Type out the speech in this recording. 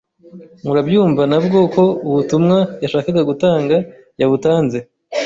Murabyumva nabwo ko ubutumwa yashakaga gutanga yabutanze